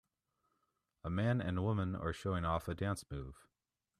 A man and woman are showing off a dance move.